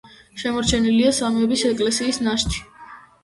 შემორჩენილია სამების ეკლესიის ნაშთი.